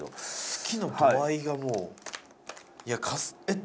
好きの度合いがもういやカスえっ